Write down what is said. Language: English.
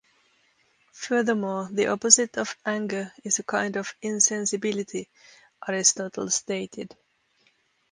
Furthermore, the opposite of anger is a kind of insensibility, Aristotle stated.